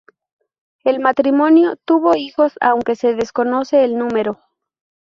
El matrimonio tuvo hijos, aunque se desconoce el número.